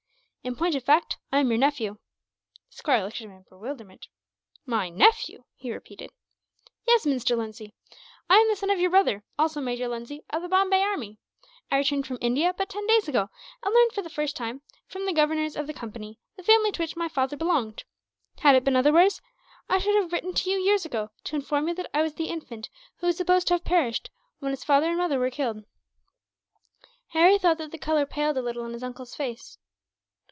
In point of fact, I am your nephew." The squire looked at him in bewilderment. "My nephew!" he repeated. "Yes, Mr. Lindsay. I am the son of your brother, also Major Lindsay, of the Bombay Army. I returned from India but ten days ago; and learned for the first time, from the governors of the Company, the family to which my father belonged. Had it been otherwise, I should have written to you, years ago, to inform you that I was the infant who was supposed to have perished, when its father and mother were killed." Harry thought that the colour paled a little in his uncle's face.